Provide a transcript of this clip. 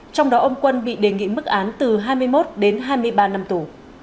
trong đó ông quân bị đề nghị mức án từ hai mươi một đến hai mươi ba năm tù